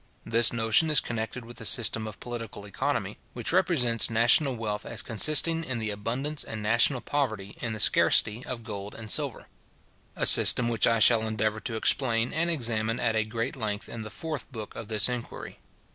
This notion is connected with the system of political economy, which represents national wealth as consisting in the abundance and national poverty in the scarcity, of gold and silver; a system which I shall endeavour to explain and examine at great length in the fourth book of this Inquiry.